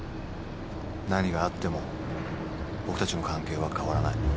何があっても僕たちの関係は変わらない。